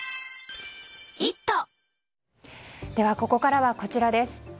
ここからはこちらです。